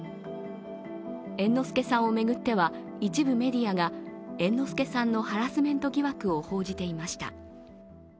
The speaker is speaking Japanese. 猿之助さんを巡っては一部メディアが、猿之助さんのハラスメント疑惑を報じていました。